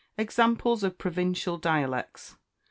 Examples of Provincial Dialects.